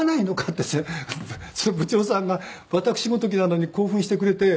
ってその部長さんが私ごときなのに興奮してくれて。